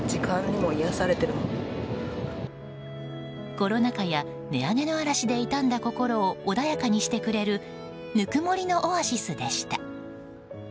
コロナ禍や値上げの嵐で傷んだ心を穏やかにしてくれるぬくもりのオアシスでした。